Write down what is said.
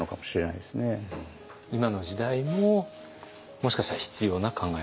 今の時代ももしかしたら必要な考え方？